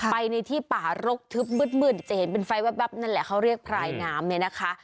ไปในที่ป่ารกทึบมืดจะเห็นเป็นไฟแว๊บนั่นแหละเขาเรียกพรายน้ำเนี่ยนะคะ